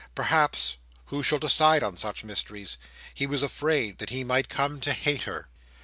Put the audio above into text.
Perhaps—who shall decide on such mysteries!—he was afraid that he might come to hate her.